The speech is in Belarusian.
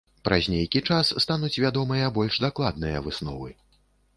Праз нейкі час стануць вядомыя больш дакладныя высновы.